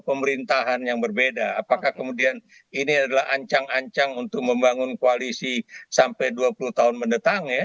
pemerintahan yang berbeda apakah kemudian ini adalah ancang ancang untuk membangun koalisi sampai dua puluh tahun mendatang ya